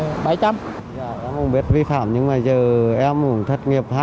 em không biết vi phạm nhưng mà giờ em cũng thất nghiệp hai tháng rồi